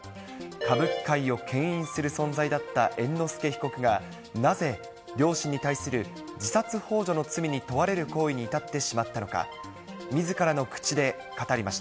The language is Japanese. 歌舞伎界をけん引する存在だった猿之助被告が、なぜ、両親に対する自殺ほう助の罪に問われる行為に至ってしまったのか。